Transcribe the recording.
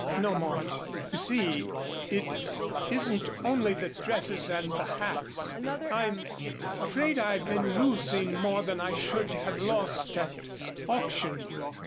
"No, Mort, you see, it isn't only the dresses and the hats. I'm afraid I've been losing more than I should have lost at auction."